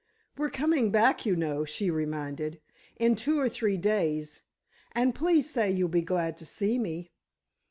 "We're coming back, you know," she reminded, "in two or three days, and please say you'll be glad to see me!"